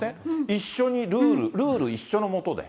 一緒にルール、ルール一緒のもとで。